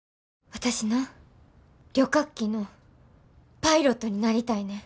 私な旅客機のパイロットになりたいねん。